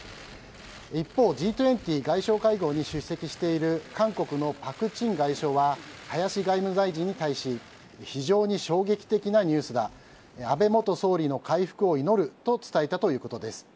一方、Ｇ２０外相会合に出席している韓国のパク・チン外相は林外務大臣に対し非常に衝撃的なニュースだ安倍元総理の回復を祈ると伝えたということです。